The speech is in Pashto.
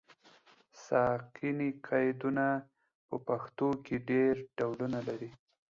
ساکني قیدونه په پښتو کې ډېر ډولونه لري.